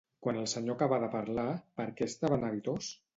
Quan el senyor acabà de parlar, per què estava neguitós?